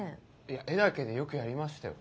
いや「え？」だけでよくやりましたよ。